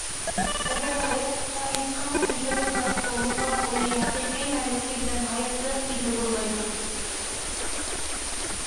ئەگەر ھاياتلىقتا ھېچقانداق يوشۇرۇن خەۋپ بولمىسا، ئۇنى ھەقىقىي مەنىسى بىلەن ھاياتلىق دېگىلى بولمايدۇ.